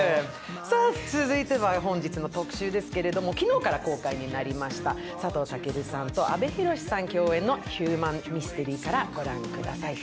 続いては、本日の特集ですけれども昨日から公開になりました佐藤健さんと阿部寛さん共演のヒューマンミステリーから御覧ください。